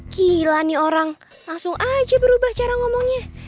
gila nih orang langsung aja berubah cara ngomongnya